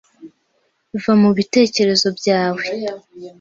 va mu bitekerezo bya we